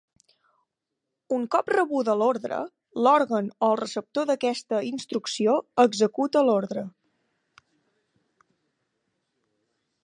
Un cop rebuda l'ordre, l'òrgan o el receptor d'aquesta instrucció, executa l'ordre.